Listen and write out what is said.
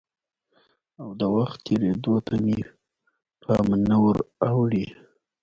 او د وخت تېرېدو ته مې پام نه وراوړي؟